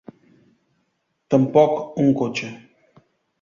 Tampoc un cotxe.